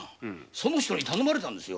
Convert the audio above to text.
あの人に頼まれたんですよ。